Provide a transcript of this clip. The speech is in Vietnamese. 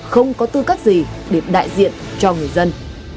không có tư cách gì để đại diện cho người dân